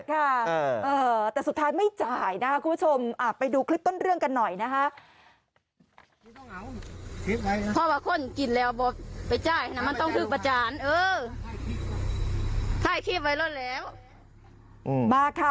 แต่สุดท้ายไม่จ่ายนะคะคุณผู้ชมไปดูคลิปต้นเรื่องกันหน่อยนะคะ